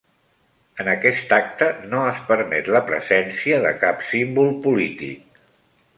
En aquest acte, no es permet la presència de cap símbol polític.